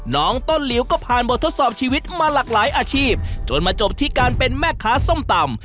น้องต้นหลิวก็ผ่านบททดสอบชีวิตมาหลากหลายอาชีพจนมาจบที่การเป็นแม่ค้าส้มตำ